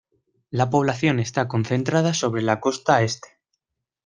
La población está concentrada sobre la costa este.